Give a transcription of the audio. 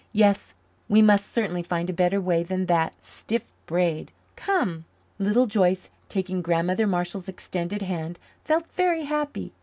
Yes, we must certainly find a better way than that stiff braid. Come!" Little Joyce, taking Grandmother Marshall's extended hand, felt very happy.